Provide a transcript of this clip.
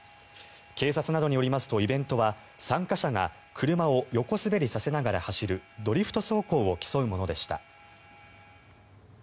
警察などによりますとイベントは参加者が車を横滑りさせながら走るドリフト走行を競うものでした。